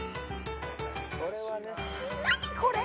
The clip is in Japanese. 何これ！？